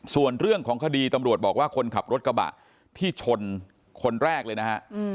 ส่วนเรื่องของคดีตำรวจบอกว่าคนขับรถกระบะที่ชนคนแรกเลยนะฮะ